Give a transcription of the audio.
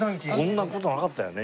こんな事なかったよね